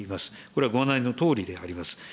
これはご案内のとおりであります。